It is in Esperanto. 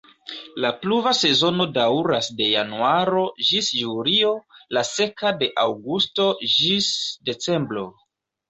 La pluva sezono daŭras de januaro ĝis julio, la seka de aŭgusto ĝis decembro.